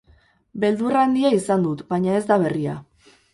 Beldur handia izan dut, baina ez da berria.